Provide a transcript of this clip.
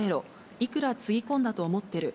いくらつぎ込んだと思っている。